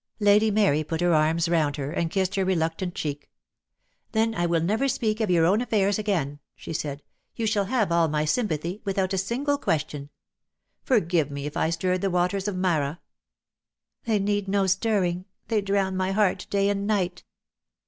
Lady Mary put her arms round her, and kissed her reluctant cheek. DEAD LOVE HAS CHAINS. ^^ "Then I will never speak of your own affairs again," she said. "You shall have all my sympathy, without a single question. Forgive me if I stirred the waters of Marah." "They need no stirring. They drown my heart day and night."